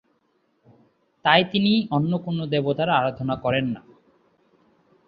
তাই তিনি অন্য কোন দেবতার আরাধনা করতেন না।